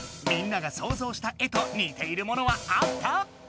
みんなが想像した絵とにているものはあった？